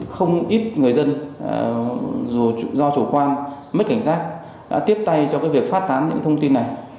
không ít người dân dù do chủ quan mất cảnh giác đã tiếp tay cho việc phát tán những thông tin này